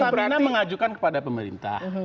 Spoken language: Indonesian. pertamina mengajukan kepada pemerintah